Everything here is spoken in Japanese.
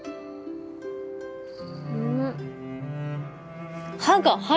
うん！